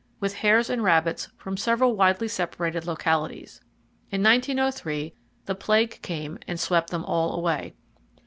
with hares and rabbits from several widely separated localities. In 1903, the plague came and swept them all away.